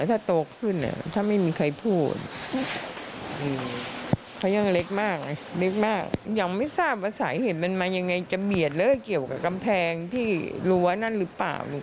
ถ้าโตขึ้นถ้าไม่มีใครพูด